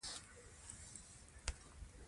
د عامه لارو پر سر کثافات مه غورځوئ.